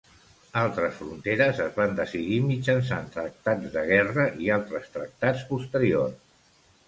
Altres fronteres es van decidir mitjançant tractats de guerra i altres tractats posteriors.